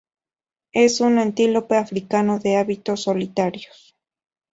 Es un antílope africano de hábitos solitarios.